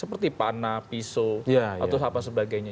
seperti panah pisau atau apa sebagainya